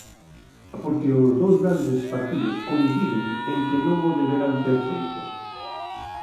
Porque os dous grandes partidos coinciden en que non o deberan ter feito.